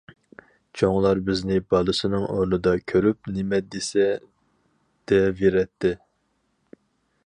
چوڭلار بىزنى بالىسىنىڭ ئورنىدا كۆرۈپ نېمە دېسە دەۋېرەتتى.